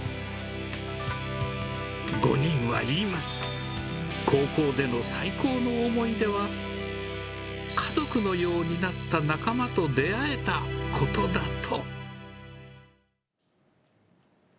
５人は言います、高校での最高の思い出は、家族のようになった仲間と出会えたことだと。